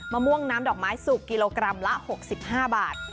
มะม่วงน้ำดอกไม้สุกกิโลกรัมละ๖๕บาท